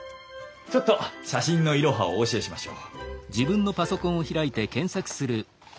ちょっと写真のイロハをお教えしましょう。